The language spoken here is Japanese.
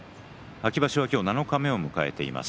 秋場所は七日目を迎えています。